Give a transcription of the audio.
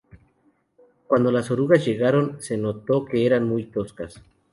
Cuando las orugas llegaron, se notó que eran muy toscas.